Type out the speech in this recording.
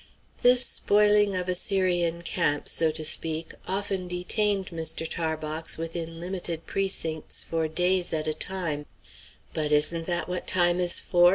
'" This spoiling of Assyrian camps, so to speak, often detained Mr. Tarbox within limited precincts for days at a time; but "Isn't that what time is for?"